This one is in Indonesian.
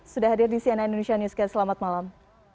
sudah hadir di cnn indonesia newscast selamat malam